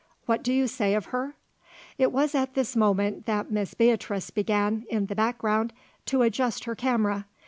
"What do you say of her?" It was at this moment that Miss Beatrice began, in the background, to adjust her camera.